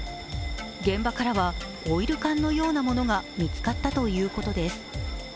現場からはオイル缶のようなものが見つかったということです。